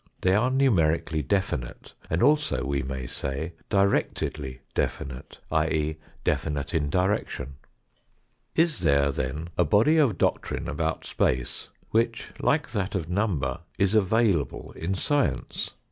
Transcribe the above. They are numerically definite and also, we may say, directedly definite, i.e. definite in direction. Is there, then, a body of doctrine about space which, like that of number, is available in science